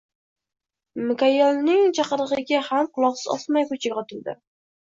Mikoyilning chaqirig`iga ham quloq osmay ko`chaga otildi